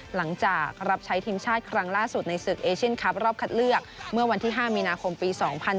หลังจากรับใช้ทีมชาติครั้งล่าสุดในศึกเอเชียนคลับรอบคัดเลือกเมื่อวันที่๕มีนาคมปี๒๐๑๖